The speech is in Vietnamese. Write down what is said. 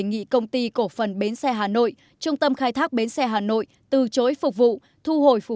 nghị công ty cổ phần bến xe hà nội trung tâm khai thác bến xe hà nội từ chối phục vụ thu hồi phù